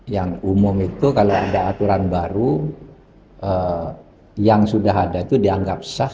yang umum itu kalau ada aturan baru yang sudah ada itu dianggap sah